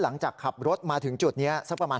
หลังจากขับรถมาถึงจุดนี้